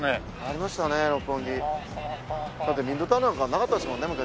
だってミッドタウンなんかなかったですもんね昔。